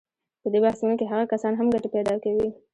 په دې بحثونو کې هغه کسان هم ګټې پیدا کوي.